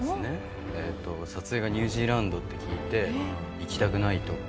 撮影がニュージーランドって聞いて行きたくないと。